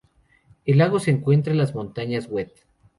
El lago se encuentra en las montañas Wet.